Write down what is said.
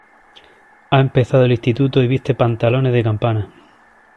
Ha empezado el instituto y viste pantalones de campana.